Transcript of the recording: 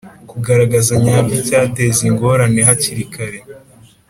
Kugaragaza nyabyo icyateza ingorane hakiri kare